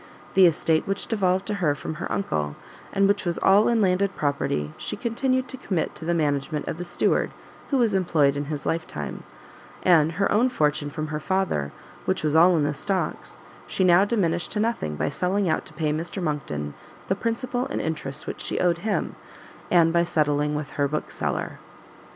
The estate which devolved to her from her uncle, and which was all in landed property, she continued to commit to the management of the steward who was employed in his life time; and her own fortune from her father, which was all in the stocks, she now diminished to nothing by selling out to pay Mr Monckton the principal and interest which she owed him, and by settling with her Bookseller.